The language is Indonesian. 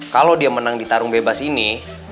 kalau dia menang di tarung bebas ini